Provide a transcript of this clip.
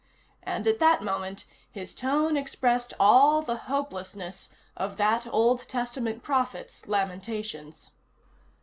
And, at the moment, his tone expressed all the hopelessness of that Old Testament prophet's lamentations.